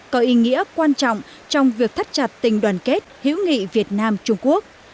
có ý nghĩa quan trọng trong việc thắt chặt tình đoàn kết hữu nghị việt nam trung quốc